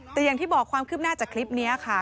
แต่อย่างที่บอกความคืบหน้าจากคลิปนี้ค่ะ